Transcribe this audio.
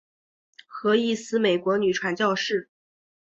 何义思美国女传教士。